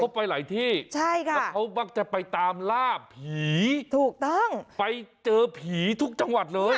เขาไปหลายที่แล้วเขาบ้างจะไปตามล่าผีไปเจอผีทุกจังหวัดเลยถูกต้อง